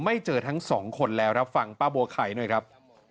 เจอทั้งสองคนแล้วรับฟังป้าบัวไข่หน่อยครับ